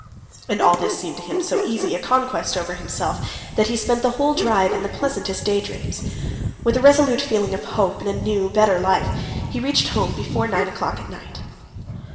And all this seemed to him so easy a conquest over himself that he spent the whole drive in the pleasantest daydreams. With a resolute feeling of hope in a new, better life, he reached home before nine o'clock at night.